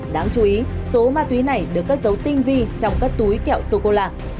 đáng chú ý số ma túy này được cất dấu tinh vi trong các túi kẹo sô cô la